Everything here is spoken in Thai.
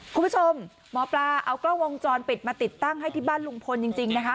คุณผู้ชมหมอปลาเอากล้องวงจรปิดมาติดตั้งให้ที่บ้านลุงพลจริงนะคะ